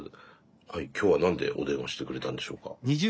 はいきょうは何でお電話してくれたんでしょうか？